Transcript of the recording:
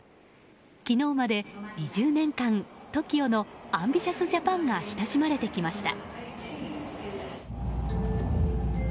昨日まで２０年間ＴＯＫＩＯの「ＡＭＢＩＴＩＯＵＳＪＡＰＡＮ！」が親しまれてきました。